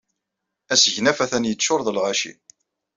Asegnaf atan yeččuṛ d lɣaci.